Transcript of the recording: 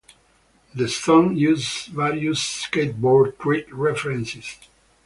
The song uses various skateboard trick references.